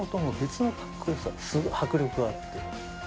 すごい迫力があって。